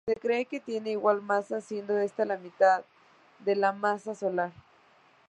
Se cree que tienen igual masa, siendo esta la mitad de la masa solar.